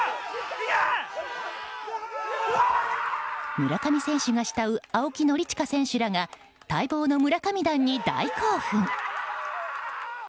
村上選手が慕う青木宣親選手らが待望の村上弾に大興奮。